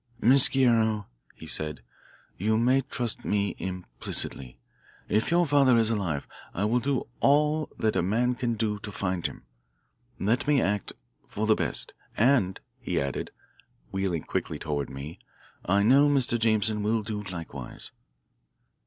"Miss Guerrero," he said, "you may trust me implicitly. If your father is alive I will do all that a man can do to find him. Let me act for the best. And," he added, wheeling quickly toward me, "I know Mr. Jameson will do likewise."